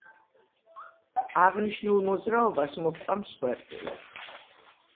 აღნიშნულ მოძრაობას მოჰყვა მსხვერპლიც.